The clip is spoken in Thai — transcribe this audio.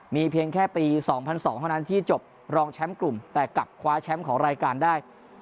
มีเพียงแค่ปี๒๐๐๒เท่านั้นที่จบรองแชมป์กลุ่มแต่กลับคว้าแชมป์ของรายการได้